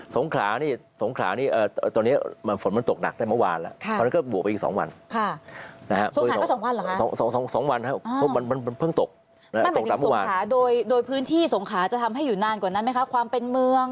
สงขรานี่สงขรานี่ตอนนี้ฝนมันตกหนักได้เมื่อวานแล้วตอนนี้ก็บวกไปอีก๒วัน